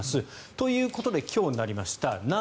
ということで今日になりました。